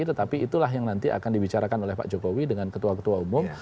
tetapi itulah yang nanti akan dibicarakan oleh pak jokowi dengan ketua ketua umum